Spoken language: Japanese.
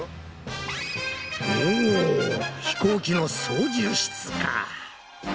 おぉ飛行機の操縦室か。